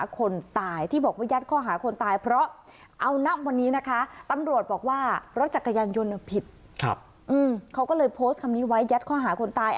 เขาก็เลยโพสต์คำนี้ไว้ยัดข้อหาคนตาย